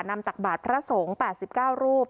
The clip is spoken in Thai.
ตักบาทพระสงฆ์๘๙รูป